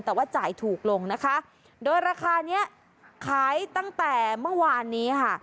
แต่ว่าจ่ายถูกลงนะคะโดยราคานี้ขายตั้งแต่เมื่อวานนี้ค่ะ